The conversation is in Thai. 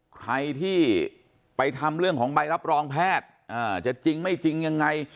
ใครที่ไปทำเรื่องของใบรับรองแพทย์จะจริงไม่จริงยังไง